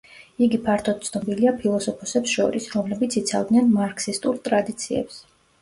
იგი ფართოდ ცნობილია ფილოსოფოსებს შორის, რომლებიც იცავდნენ მარქსისტულ ტრადიციებს.